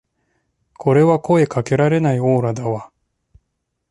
これは声かけられないオーラだわ